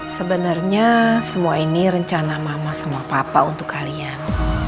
sebenarnya semua ini rencana mama sama papa untuk kalian